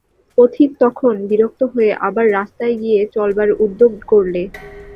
পথিক তখন বিরক্ত হয়ে আবার রাস্তায় গিয়ে চলবার উদ্যোগ করলে।